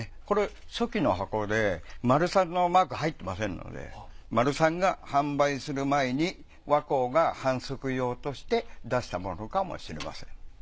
これ初期の箱でマルサンのマーク入ってませんのでマルサンが販売する前に和光が販促用として出したものかもしれません。